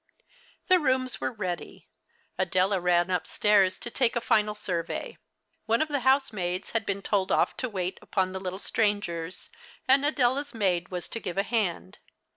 The rooms were ready. Adela ran uj^stairs to take a final survey. One of the housemaids had been told off to wait U23on the little strangers ; and Adela's maid was to give a hand.